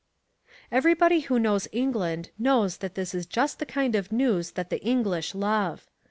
Everybody who knows England knows that this is just the kind of news that the English love.